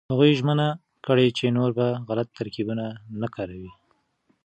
هغوی ژمنه کړې چې نور به غلط ترکيبونه نه کاروي.